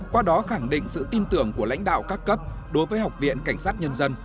qua đó khẳng định sự tin tưởng của lãnh đạo các cấp đối với học viện cảnh sát nhân dân